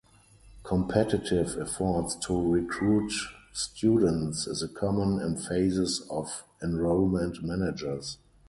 Competitive efforts to recruit students is a common emphasis of enrollment managers.